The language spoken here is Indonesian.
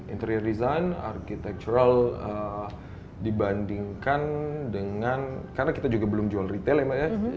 interior design architectural dibandingkan dengan karena kita juga belum jual retail ya mbak ya